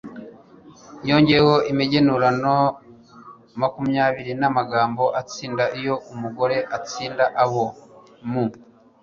yongeyeho imigenurano makumyabiri n'amagambo atsinda iyo umugore atsinda abo mu